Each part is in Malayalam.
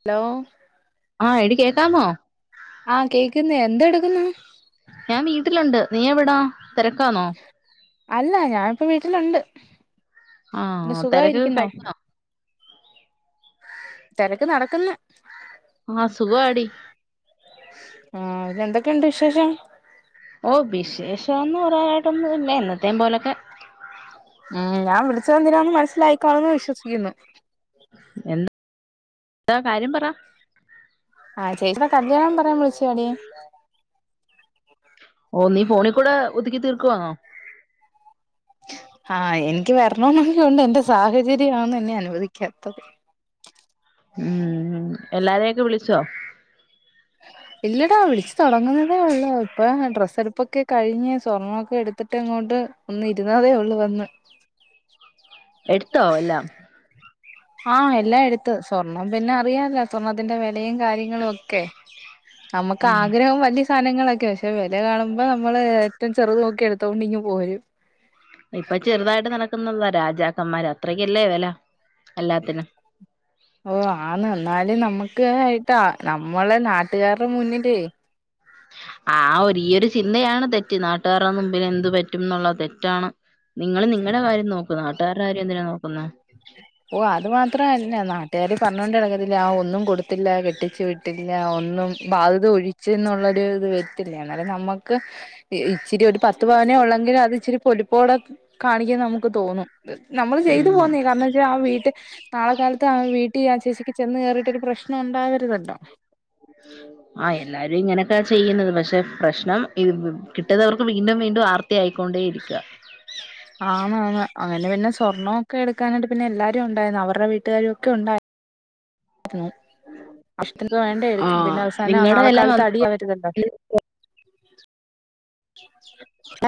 ഹലോ ആഹ് എടി കേക്കാമോ ആ കേക്കുന്ന് എന്തെടുക് എന്ന [unintelligible] ഞാൻ വീട്ടിലുണ്ട് നീ എവിടാ തിരക്കാന്നോ അല്ല ഞാനിപ്പോ വീട്ടിലുണ്ട് ആഹ തിരക്കൊക്കെ സുഖായിരിക്കുന്നോ കഴിഞ്ഞോ തിരക്ക് നടക്കുന്ന് ആഹ് സുഖാടി ആഹ പിന്ന എന്തൊക്കെയൊണ്ട് വിശേഷം ഓ വിശേഷന്ന്പറയാൻ ഒന്നു ഇല്ല എന്നത്തേ പോലൊക്കെ പഠിച്ച എന്തിനാന്ന് മനസ്സിലായിക്കാണു എന്ന് വിശ്വസിക്കുന്നു എന്താ എന്താ കാര്യം പറ ആഹ് ചേച്ചിടെ കല്യാണം പറയാൻ വിളിച്ചതാടി ഓ നീ ഫോണിൽ കൂടെ ഒതുക്കി തീർക്കുവാങ്ങോ ആഹ ആ എനിക്ക് വരണോന്നൊക്കെ ഉണ്ട് എന്റെ സാഹചര്യമാണെന്ന് എന്നെ അനു ചോദിക്കാത്തത് ഉം എല്ലാരെയൊക്കെ വിളിച്ചോ ഇല്ലടാ വിളിച്ച് തുടങ്ങുന്നതേ ഉള്ള് ഇപ്പൊ ഡ്രസ്എടുപ്പൊക്കെ കഴിഞ്ഞ് സ്വർണൊക്കെ എടുത്തിട്ട് ഇങ്ങോട്ട് ഒന്ന് ഇരുന്നതേ ഉള്ളു വന്ന് എടുത്തോ എല്ലാം ആഹ എല്ലാം എടുത്ത് സ്വർണം പിന്നെ അറിയാല്ലോസ്വർണത്തിന്റെ വിലയും കാര്യങ്ങളും ഒക്കെ നമുക്ക് ഉം ആഗ്രഹം വലിയ വലിയസധനങ്ങളൊക്കെ പക്ഷെ വില കാണുമ്പോൾ നമ്മൾ ഏറ്റവും ചെറുതു നോക്കി എടുത്തോണ്ട് ഇങ്ങ് പോരും ഇപ്പൊ ചെറുതായിട്ട് നടക്കുന്നതാ രാജാക്കന്മാര് അത്രക്കല്ലേ വില എല്ലാത്തിനും ഓ ആന്ന് എന്നാലും നമ്മുക്ക് നമുക്കായിട്ടാ നമ്മള് നാട്ടുകാരുടെ മുന്നിലേ ആ ഒരു ഈ ഒരു ചിന്തയാണ് തെ ഈനാട്ടുകാാര മുമ്പിൽ എന്ത് പറ്റും എന്നുള്ളത് തെറ്റാണ് നിങ്ങള് നിങ്ങടെ കാര്യം നോക്കു ആദ് നാട്ടുകാരുടെ കാര്യം എന്തിനാ നോക്കുന്നെ ഓ അത് മാത്രല്ല നാട്ടുകാർ പറഞ്ഞോണ്ട് നടക്കത്തിലേആ ഒന്നും കൊടുത്തി ത്തില്ല കെട്ടിച്ചു വീട്ടില ഒന്നും ബാധ്യത ഒഴിച്ച് എന്നുള്ളൊര് ഇത് വരത്തില്ല എന്നാലും നമ്മക്ക് ഇച്ചിരി ഒരു പത്ത് പവനേ ഉള്ളെങ്കിലും അത് ഇച്ചിരി പൊലി [unintelligible] കാണിക്കുന്നേ നമുക്ക് തോന്നും നമ്മള് ചെയ്തു ഉം പോന്നേ കാരണം ആ വീട്ട് നാളെ കാലത്ത് ആ വീട്ടിൽ ആ ചേച്ചിക്ക് ചെന്ന് കയറിയിട്ട് ഒരു പ്രശ്നം ഉണ്ടാവരുതല്ലോ. ആഹ് എല്ലാരും ഇങ്ങനെ ചെയ്യുന്നതാ പക്ഷേ പ്രശ്നം കിട്ടുന്നവർക്ക് വീണ്ടും വീണ്ടും ആർത്തിയായിക്കൊണ്ടേ ഇരിക്കുവാ. ആന്നാ ന്ന് ആന് പിന്നെ സ് സ്വർണ്ണവൊക്കെ എടുക്കാനായിട്ട് പിന്നെ എല്ലാരും ണ്ടായ്ര്ന്നു അവരടെ വീട്ടാരൊക്കെ ഉണ്ട ന്നു അഷ്‌ത്തിന് വേണ്ടേ എടുക്കാൻ പിന്നെ അവസാനം നിങ്ങളുടെ നാളെ എല്ലാം വ കാലത്ത് അടിയാവര്തല്ലോ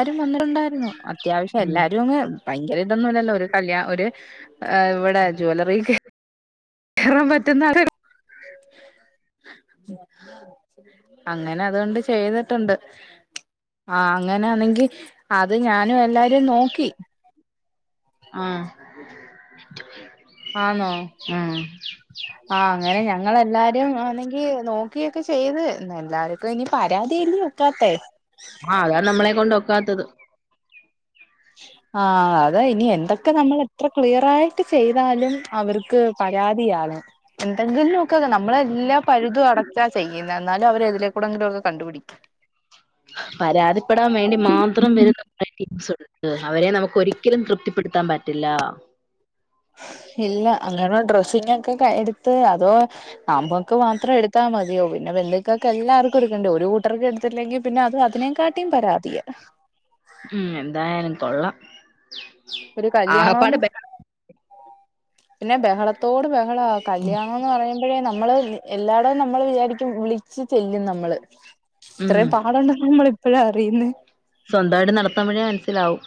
രും വന്നിരുന്നായ്രുന്നു അത്യാവശ്യം ഉം ഉം എല്ലാരോന്ന് ഭയ്ങ്കരെ [unintelligible] ല്ലല്ലോ ഒരു കല്യാ ഒര് വടെ ജ്വലറീക്ക് കേറാൻ പറ്റുന്ന അങ്ങനെ അതുകൊണ്ട് ചെയ്തിട്ടുണ്ട് ആ അങ്ങനെയാണെങ്കി അത് ഞാൻ ന് എല്ലാരിം നോക്കി [unintelligible] ആന്നോ ആ അങ്ങനെ ഞങ്ങളെല്ലാരും ആണെങ്കി നോക്കിയൊക്കെ ചെയ്ത് എല്ലാര്ക്കുനി പരാതിയീര്ന്ന് നിക്കാതെ ആഹ് അതാ നമ്മളെ കൊണ്ടൊക്കാത്തത് ആഹ അത ഇനി എന്തൊക്കെ നമ്മള [inaudible] [unintelligible] [unintelligible] ചെയ്യ് പരാതിയാണ് എന്തെങ്കിൽനുവൊക്കെ ഒക്കെ നമ്മള് എല്ലാ പഴുതും അടച്ചാ ചെയ്യുന്നേ എന്നാലും അവര് എതിലെക്കൂടിയെങ്കിലും ഒക്കെ കണ്ട് പിടിക്കും [inaudible] അവരെ നമുക്ക് ഒരിക്കലും തൃപ്‌തിപ്പ് പ്പെടുത്താൻ പറ്റില്ല ഇല്ല അന്നനോ ഡ്രസ് ച്ചിനൊക്കെ കയ് എട്ത്ത് അതോ നമ്മക്ക് മാത്രഎട്ത്താ മത്യോ പിന്നെ ബെന്ധുക്കൊക്കെല്ലാർക്കും എട്ക്കണ്ടേ ഒരു കൂട്ടർക്ക് എട്ത്തില്ലെങ്കി പിന്നെ അത് അതിനേ കാടട്ടിം പരാതിയ ഉം എന്തായാലും കൊള്ളാം ആകപ്പാട് [inaudible] പിന്നെ ബഹളത്തോട് ബഹള കല്യാണന്ന് പറയുമ്പഴേ ന മ്മള് എല്ലാടെ നമ്മള് വിചാരിക് ക്കു വിളിച്ചു ചെല്ലും നമ്മള് ഉം ഇത്രയും പാടുണ്ടെന്ന് നമ്മൾ ഇപ്പഴാ അറിയുന്നെ സ്വന്തായിട്ട് നടത്തമ്പഴേ ൻസ്സിലാവു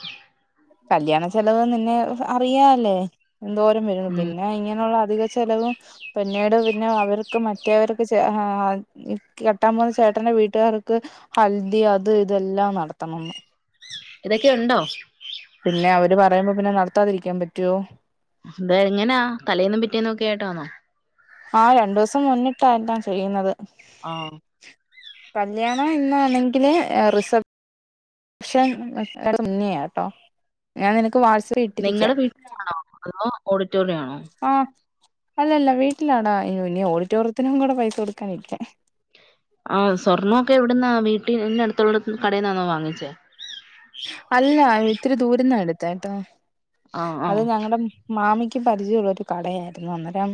കല്യാണ ചെലവ് ന്ന്ന്നെ അറിയാല്ലേ എൻ ദോരം വരുന്നു ഉം പിന്നെ ഇങ്ങനെള്ള ധിക ചെലവും പിന്നീട് പിന്നെ അവര് ക്ക്‌ മറ്റേവർക്ക് ചെ ആഹ് ക് കെട്ടാം പോണെ ചേട്ടന്റെ വീട്ടുആർക്ക് ഹൽദി അത് ഇതെല്ലാം നടത്തണംന്ന് ഇതൊക്കെ ഉണ്ടോ പിന്നെ അവര് പറയുമ്പോ ഇങ്ങനെ നടത്താതിരിക്കാൻ പറ്റോ ദ് എങ്ങനാ തലയൊന്നും പിറ്റേന്നുഒക്കെ കേട്ടോ ന്നോ ആഹ രണ്ടു ദിവസം മുന്നി എല്ലാം ചെയ്യുന്നത് ആഹ് കല്യാണം ഇന്നാആണെങ്കി പിന്നെ റിസർ ക്ഷേ അയാളുടെ മുന്നിയാ കേട്ടോ ഞാൻ നിന വാസവ ഇട്ടിരിക്ക നിങ്ങളടെ വീട്ടിലാണോ അതോ ഓഡിറ്റോറിയം ആണോ ആ അല്ലല്ല വീട്ടിലാഡാ ഇനി വലിയ ഓ ട്ടോറിയത്തിനും കൂടെ പൈസ കൊടുക്കാന ഇരിക്ക ആഹ സ്വർണമൊക്കെ എവിടുന്നാ വീട്ട ന്റെ അടുത്തോള കടയിൽന്നാന്നോ വാങ്ങിച്ചേ അല്ല ഇത്ര ദൂരന്ന അത് താട്ടോ ആഹ് അത് ആഹ് ഞങ്ങളുടെ മ് മാമിക്ക് എക്ക് പരിചയമുള്ള ഒരു കടയായിരുന്നു അന്നേരം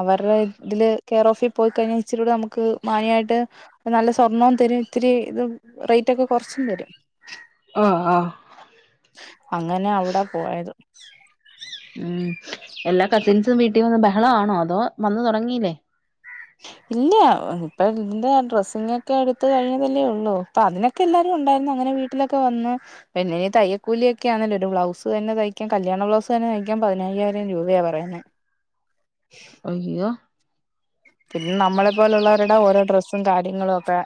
അവരുടെ ഇതില് കെയർ ഓഫിൽ പോയിക്കഴിഞ്ഞാൽ ഇച്ചിരി കൂടെ നമുക്ക് മാന്യമായിട്ട് നല്ല സ്വർണ്ണവും തരും ഇത്തിരി ഇത് റേറ്റ് ഒക്കെ കൊറച്ചും തരും ആഹ് ആഹ് അങ്ങനെ ഔട പോയത് ഉം എല്ലാ കസിൻസും വീട്ടി വന്ന് ബ അതാണോ അതോ വന്നു തൊടങ്ങീല്ലേ ഇല്ല ഇപ്പ ന്റെ ഡ്രസ്സിങ്ങൊക്കെ എടുത്ത കഴിഞ്ഞേല്ലേ ഉള്ളൂ ഇപ്പൊ അതിനൊക്കെ എല്ലാരും ഉണ്ടായിരുന്നു അങ്ങനെ വീട്ടിലൊക്കെ വന്നു പിന്നേ തയ്യക്കൂലിയൊക്കെ ആണല്ലേ ഒരു ബ്ലൗസ് തന്നെ തയ്ക്കാൻ കല്യാണ ബ്ലൗസ് തന്നെ തയ്ക്കാൻ പതിനയ്യായിരം രൂപയാണ് പറയുന്നത് അയ്യോ പിന്നെ നമ്മളെ പോലുള്ളവരെടെ ഓരോ ഡ്രസ് [unintelligible] കാര്യങ്ങളൊക്കെ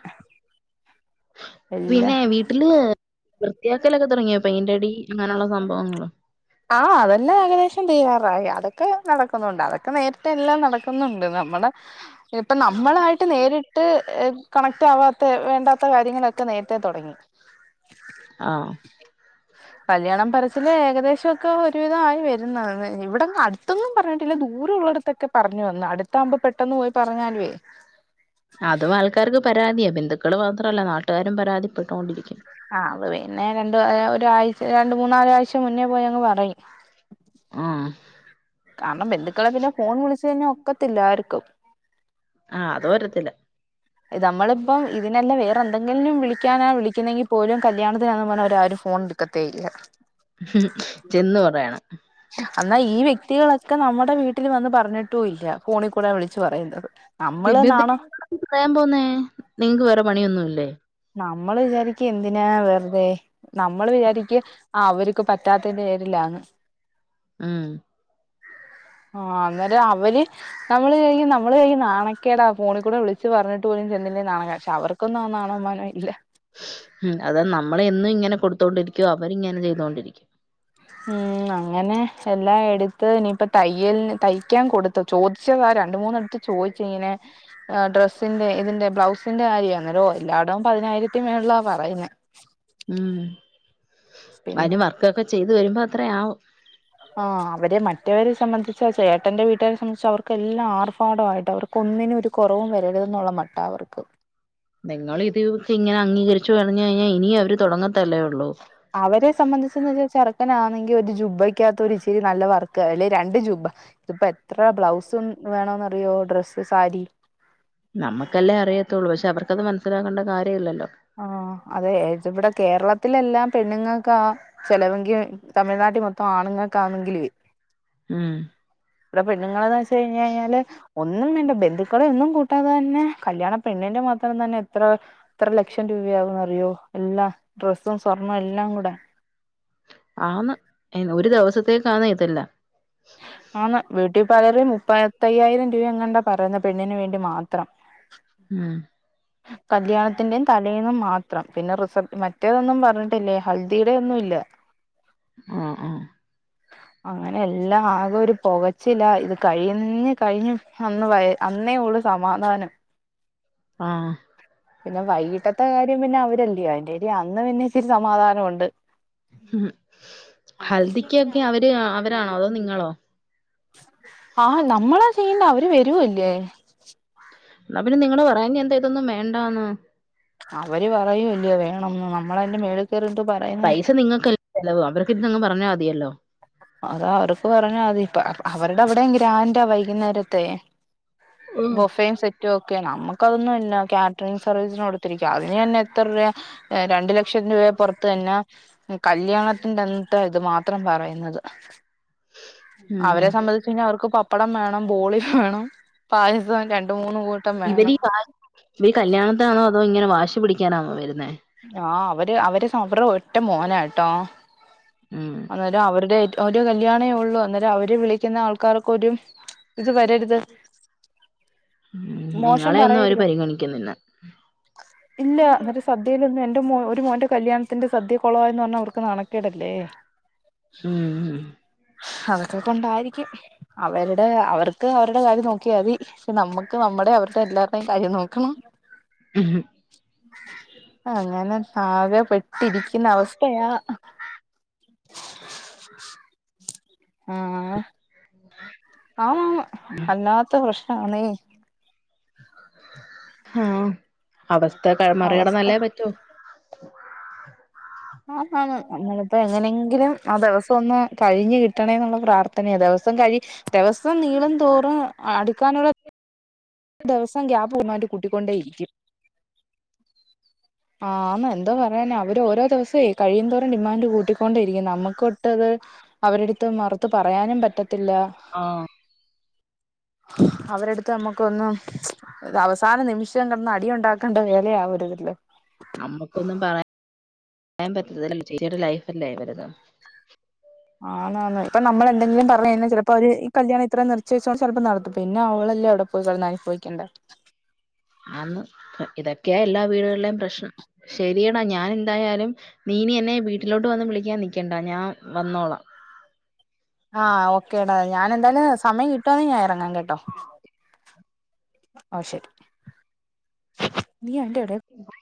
പിന്നെ വീട്ടില് ത്തിയാക്കലൊക്കെ തുടങ്ങിയപൈന്റടി- ആ അതെല്ലാം ഏകദേശം തീരാറാ പ്ര അതൊക്കെ നടക്കുന്നുണ്ട് അതൊക്കെ നേരിട്ട് എല്ലാം നടക്കുന്നുണ്ട് നമ്മടെ ഇപ്പ നമ്മളായിട്ട് നേരിട്ട് കണക്ട് ആവാത്ത വേണ്ടാത്ത കാര്യങ്ങളെ - ക്കെ നേരത്തെ തുടങ്ങി ആഹ് കല്യാണം പറച്ചില് ഏകദേശൊക്കെ ഒരുവിധായി വരുന്ന ഇവിടെന്നു അടുത്തൊന്നും പറഞ്ഞിട്ടില്ല ദൂരം ഉള്ളടത്തൊക്കെ പറഞ്ഞു വന്നു അടുത്താകുമ്പോൾ പെട്ടെന്ന് പോയി പറഞ്ഞാലുവേ അതും ആൾക്കാർക്ക് പരാതിയ ബന്ധുക്കൾ മാത്രല്ല നാട്ട്കാരും പരാതിപ്പെട്ടോണ്ടിരിക്കും ആ അത് പിന്നെ രണ്ട ഒരാഴ്ച രണ്ട് മൂന്നാലാഴ്ച മുന്നേ പോയി അങ്ങ് പറയും ഉം അപ്പം ബന്ധുക്കളെ പിന്നെ ഫോൺ വിളിച്ച് കഴിഞ്ഞാൽ ഒക്കത്തില്ല ആർക്കും ആ അതോരത്തില്ല നമ്മളിപ്പം ഇതിനെല്ലെ വേ എന്തെങ്കിലും വിളിക്കാന വിളിക്കുന്നെങ്കിൽ പോലും കല്യാണത്തിനാന്നും പറഞ്ഞ അവരാരും ഫോൺ എടുക്കത്തേ ഇല്ല ചെന്ന് പറയണം എന്നാ ഈ വ്യക്തികളൊക്ക്- ഒക്കെ നമ്മടെ വീട്ടിൽ വന്ന് പറഞ്ഞിട്ടുല്ല ഫോണികൂടെ വിളിച്ചു പറയുന്നത്. നമ്മള് പിന്നെ നാണം എന്ത [inaudible] പറയാൻ പോന്നേ നിങ്ങക്ക് വേറെ പണിയൊന്നുല്ലേ നമ്മള് വിചാരിക്ക എന്ത് ന്തിനാ വെറുതെ നമ്മൾ വിചാരിക്കി ആ അവര്ക്ക് പറ്റാത്തന്റെ പേരിലാന്ന് മ് ആ അന്നേരം അവര് നമ്മള് ചെയ്യും നമ്മള് ചെയ്യും നാണ ക്കേടാ ഫോണിക്കൂടെ വിളിച്ച് പറഞ്ഞിട്ട് പോലും ചെന്നില്ലേ നാണ പക്ഷെ അവർക്കൊന്നും ആ നാണോം മാനോം [unintelligible] മ് അത് നമ്മള് എന്നും ഇങ്ങനെ കൊടുത്തോണ്ടിരിക്കും അവരിങ്ങനെ ചെയ്തൊണ്ടിരിക്കും ഉം അങ്ങനെ എല്ലാം എടുത്ത് ഇനീപ്പൊ തയ്യൽന് തയ്ക്കാൻ കൊടുത്ത് ചോദിച്ചതാരാ രണ്ടുമൂന്നേട്ത്ത് ചോദിച്ചിങ്ങനെ ആ ഡ്രസ്സിന്റെ ഇതിന്റെ ബ്ലൗസിന്റെ കാര്യന്നല്ലോ ഓ എല്ലാടോം പതിനായിരത്തി മേൾല പറയുന്നെ ഉം പിന്നെ അതിന് വർക്കൊക്കെ ചെയ്ത് വരുമ്പോ അത്രയാവും ആ അവരെ മറ്റവരെ സംബന്ധിച്ച് ചേട്ടന്റെ വീട്ടുകാരെ സംബന്ധിച് അവർക്കെല്ലാം ആർഭാടയിട്ട് അവർക്ക് ഒന്നിനും ഒരു കുറവും വരരുതന്നുള്ള മട്ട അവർക്ക് നിങ്ങൾ ഇതൊക്കെ ഇങ്ങനെ അംഗീ [unintelligible] [unintelligible] കഴിഞ്ഞാ ഇനീ അവര് തുടങ്ങത്തതല്ലാതെയുള്ളോ [unintelligible] നാന്നെങ്കി [inaudible] ഉപയിക്കാത്തൊരു ഇച്ചിരി നല്ല വർക്ക് അല്ലെ രണ്ട് ജുബ്ബ ഇതിപ്പോ എത്ര ബ്ലൗസും വേണോന്നറിയോ ഡ്രസ് സാരി- നമ്മക്കല്ലേ അറിയത്തുള്ളൂ പക്ഷെ അവർക്കത് മ [unintelligible] കാര്യമില്ലല്ലോ ആ അതെഇവിടെ കേരളത്തിലെല്ലാം പെണ്ണുങ്ങക്കാ ചെലവെങ്കിൽ തമിഴ്നാട്ടിൽ മൊത്തം ആണുങ്ങൾക്കാന്നെങ്കിലുവേ- ഉം പെണ്ണുങ്ങക്ക [inaudible] കഴിഞ്ഞ് കഴിഞ്ഞാല്- ഒന്നും വേണ്ട ബന്ധുക്കളെ ഒന്നും കൂട്ടാതെ തന്നെ കല്യാണ പെണ്ണിന്റെ മാത്രം തന്നെ എത്ര എത്ര ലക്ഷം രൂപയാകന്ന് അറിയോ എല്ലാ ഡ്രസ്സും സ്വർണവും എല്ലാം കൂടെ ആന്ന് ഒരു ദിവസത്തേക്കാന്നെ- [unintelligible] ആന്ന് ബ്യൂട്ടി പാർലറി മുപ്പ [unintelligible] പത്തയ്യായിരം രൂപ എങ്ങാണ്ടാ പറയുന്ന പെണ്ണിന് വേണ്ടി മാത്രം ഉം കല്യാണത്തിന്റേം തലേന്നും മാത്രം [inaudible] [unintelligible] പിന്നെ റിസബ്ഷൻ മറ്റേതൊന്നും പറഞ്ഞിട്ടില്ലേ ഹൽദിയുടെ ഒന്നും ഇല്ല ആ ആ [unintelligible] എല്ലാം ആകെ ഒരു പൊകച്ചില ഇത് കഴിഞ്ഞ്അന്നേ ഉള്ളൂ സമാധാനം ആ പിന്നെ വൈകിട്ടത് ത്തെ കാര്യം പിന്നെ അവരല്ലീ വേണ്ട്യെ യാ അങ്ങനെ ന്നെ ഇച്ചിരി സമാധാനഉണ്ട് ഉം ഹൽദിക്കൊക്കെ അവര് അവരാണോ അതോ നിങ്ങളോ ആഹ് നമ്മളാ ചെയ്യണ്ടെ അവ ര് വരുല്ലേ ന്നാ പിന്നെ നിങ്ങള് പറാഞ്ഞെന്താ ഇതൊന്നും വേണ്ടാന്ന് അവര് പറയുല്ല്യോ വേ നമ നമ്മളന്റെ മേ പൈസ നിങ്ങൾക്കല്ലേ ചിലവ് അവർക്കിരുന്ന് പറഞ്ഞാൽ മതിയല്ലോ അതാ അവർക്ക് പറഞ്ഞാ അതി ഇപ്പ അവരുടെ അവിടെം ഗ്രാൻ്റാ വൈകുന്നേരത്തെ ഉം ബൊഫയും സെറ്റും ഒക്കെയാ നമ്മുക് ക്കൊതുന്നുല്ല കാറ്ററിംഗ് സർവീസിനോട് അതിനന്നെ എത്ര രൂപയാ രണ്ട് ലക്ഷത്തിന് പുറത്തന്ന കല്യാണത്തിന്റെന്നത്തെ ഇത് മാത്രം പറയി ഉം അവരെ സംബന്ധിച്ച് പിന്നെ അവർക്ക് പപ്പടം വേണം ബോളി വേണം പായസം രണ്ട് മൂന്ന് കൂട്ടം ഇവര് വേണം ഈ വാശി ഇവര് കല്യാണത്തിനാണോ അതോ ഇങ്ങനെ വാശി പിടിക്കാനാ വരുന്ന ആഹ് അവ അവര് [unintelligible] ഒറ്റ മോനാട്ടോ ഉം അന്നേരം അവരുടെ ഏറ്റ ഓരോ കല്യാണേ ഉള്ളൂ അന്നേരം അവര് വിളിക്കുന്ന ആൾക്കാർക്കൊരു ഇത് വരരുത് ഉം മോശം നിങ്ങളെയൊന്നും അവര് പറയരുത് പരിഗണിക്കുന്നില്ല ഇല്ല എന്നിട്ട് സദ്യയിലൊന്നും എന്റെ മോ ഒരു മോന്റെ കല്യാണ ത്തിന്റെ സദ്യ കുളവായെന്ന് പറഞ്ഞാൽ അവർക്ക് നണക്കേടല്ലേ ഉം അതൊക്ക ഇപ്പണ്ടായിരിക്കും അവരുടെ അവർക്ക് അവർ എടെ കാര്യം നോക്കിയാ മതി പക്ഷെ നമ്മുക്ക് നമ്മടെ അവരുടെ എല്ലാരുടെേയും കാര്യം നോക്കണം അങ്ങനെ ആകെ പെട്ടിരിക്കുന്ന അവസ്ഥയാ [inaudible] ആ ആ ആ അല്ലാത്ത പ്രശ്നാണേ. ഉം അവസ്ഥ ക അവസ്ഥ മറികടന്നല്ലേ പറ്റോ. ആഹ് ആഹാ അങ്ങനത്തെ അങ്ങനെയെങ്കിലും ആ ദിവസം ഒന്ന് കഴിഞ്ഞു കിട്ടണേ എന്നുള്ള പ്രാർത്ഥനയ ദിവസം കഴി.... ദേവസം നീളും തോറും അടി... [unintelligible] ദിവസം ഗ്യാപ് വന്നേണ്ട് കൂട്ടിക്കൊണ്ടേയിരിക്കും ആന്ന് എന്താ പറയാന അവര് ഓരോ ദിവസേ കഴിയന്തോരം ഡിമാൻഡ് കൂട്ടിക്കൊണ്ടേയിരിക്കും നമ്മുക്കൊട്ടത് അവരെടുത്ത് മറുത്ത് പറയാനും പറ്റത്തില്ല ആഹ് അവരെടുത്ത് നമ്മക്ക്... ക്കൊന്നും ത് അവസാന നിമിഷം എന്ന് അടിയുണ്ടാക്കണ്ട വേലേ [unintelligible] യാൻ [inaudible] ചേച്ചിയുടെ ലൈഫല്ലേ വലുത് ആന്ന്‌ ആന്ന്‌ ഇപ്പൊ നമ്മൾ എന്തെങ്കിലും പറഞ്ഞു കഴിഞ്ഞാ ചില... അപ്പൊ ഒരു ഈ കല്യാണം ഇത്ര നിർച്ച്വെച്ചുകൊണ് ചെൽപ്പോ നടത്തും പിന്നെ അവളല്ലേ അവിടെ പോയി കട്ന്ന് അനുഭവിക്കണ്ടേ ആന്ന് ശരിയേടാ ഞാൻ എന്തായാലും നീനി എന്നെ വീട്ടിലോട്ട് വന്ന് വിളിക്കാൻ നിക്കണ്ടാ ഞാൻ വന്നോളാ ആഹ് ഓക്കെടാ ഞാൻ എന്താല് സ് സമയം കിട്ടോന്ന് ഞാൻ ഇറങ്ങാൻ കേട്ടോ ഓ ശരി നീ അതിന്റെ ഇടേ [inaudible]